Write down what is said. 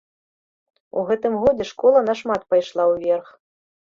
У гэтым годзе школа нашмат пайшла ўверх.